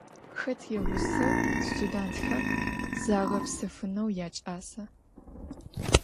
Xet yağuseu studêntxem zağepsefıneu yaç'asa?